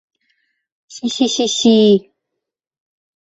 Си-си-си-и!..